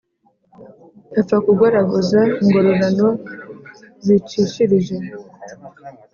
apfa kugoragoza ingororano zicishirije,